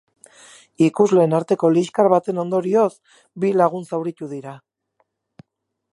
Ikusleen arteko liskar baten ondorioz, bi lagun zauritu dira.